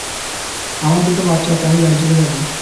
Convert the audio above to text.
আমার দুটো বাচ্চা আছে, আমি বাড়ি চলে যাবো।